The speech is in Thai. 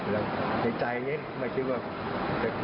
ในใจนั้นไม่คิดว่าจะเก